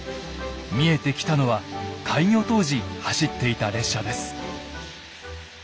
見えてきたのは開業当時走っていた列車です。